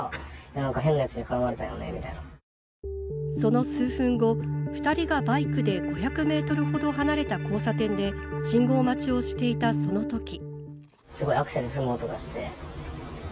その数分後、２人がバイクで５００ｍほど離れた交差点で信号待ちをしていた、そのとき。